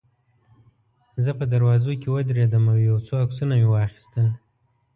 زه په دروازه کې ودرېدم او یو څو عکسونه مې واخیستل.